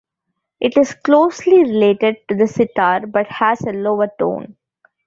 It is closely related to the sitar, but has a lower tone.